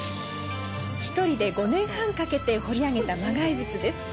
１人で５年半かけて彫り上げた磨崖仏です。